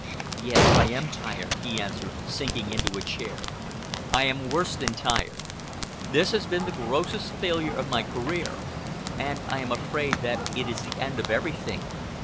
"Yes, I am tired," he answered, sinking into a chair. "I am worse than tired. This has been the grossest failure of my career, and I am afraid that it is the end of everything.